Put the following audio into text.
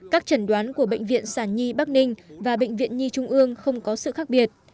các trần đoán của bệnh viện sản nhi bắc ninh và bệnh viện nhi trung ương không có sự khác biệt